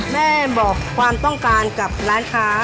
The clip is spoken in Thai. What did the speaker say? แม่บอกความต้องการกับร้านค้า